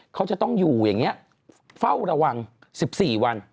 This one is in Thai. เขาจะต้องอยู่อย่างนี้เฝ้าระวัง๑๔วัน